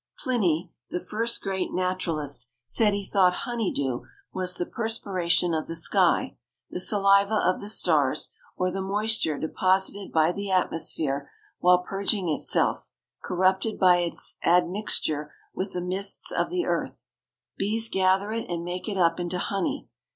Pliny, the first great naturalist, said he thought honey dew was "the perspiration of the sky, the saliva of the stars, or the moisture deposited by the atmosphere while purging itself, corrupted by its admixture with the mists of the earth." Bees gather it and make it up into honey.